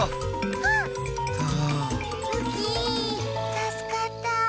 たすかった。